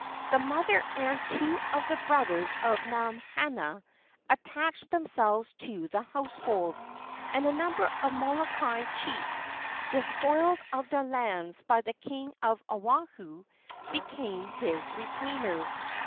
The mother and two of the brothers of Namahana attached themselves to the household, and a number of Molokai chiefs, despoiled of their lands by the king of Oahu, became his retainers.